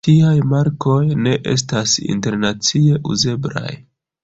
Tiaj markoj ne estas internacie uzeblaj.